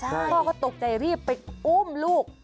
พ่อเขาตกใจพี่ไปอุ้มลูก